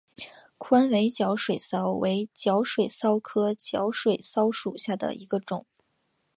宽尾角水蚤为角水蚤科角水蚤属下的一个种。